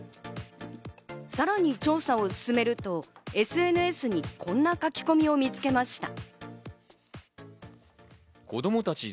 さらに調査を進めると、ＳＮＳにこんな書き込みを見つけました。